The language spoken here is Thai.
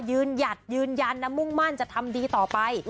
ยืนยันมุ่งมั่นจะทำดีต่อไป